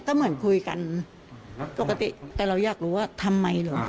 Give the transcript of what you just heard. ก็เหมือนคุยกันปกติแต่เราอยากรู้ว่าทำไมเหรอ